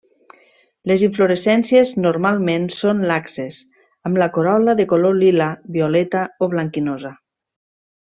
Les inflorescències normalment són laxes, amb la corol·la de color lila, violeta o blanquinosa.